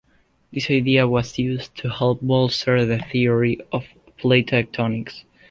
This idea was used to help bolster the theory of plate tectonics.